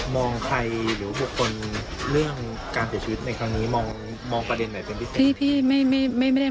มองใครหรือบุคคลเรื่องการเสียชีวิตในครั้งนี้